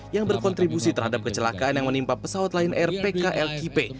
yang berkontribusi terhadap kecelakaan yang menimpa pesawat lain air pkl kipe